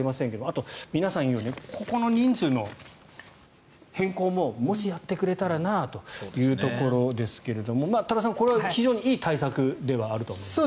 あと、皆さんが言うようにここの人数の変更ももし、やってくれたらなというところですが多田さん、これは非常にいい対策ではあると思うんですが。